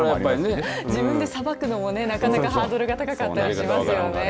自分でさばくのもねなかなかハードルが高かったりしますよね。